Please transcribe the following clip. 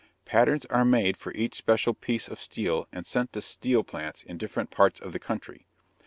Patterns are made for each special piece of steel and sent to steel plants in different parts of the country.